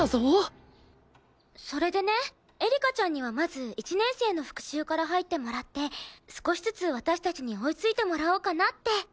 それでねエリカちゃんにはまず１年生の復習から入ってもらって少しずつ私たちに追いついてもらおうかなって。